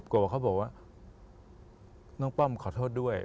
ว่าเขาบอกว่าน้องป้อมขอโทษด้วย